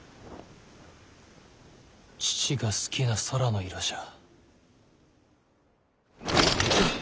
父が好きな空の色じゃ。